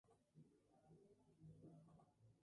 Pasa por Bauta y Caimito, y se bifurca en Guanajay.